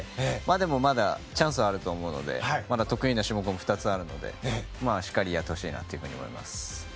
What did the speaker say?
でもまだチャンスはあると思うのでまだ得意な種目２つあるのでしっかりやってほしいなと思います。